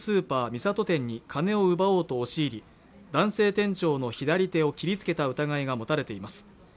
三郷店に金を奪おうと押し入り男性店長の左手を切りつけた疑いが持たれています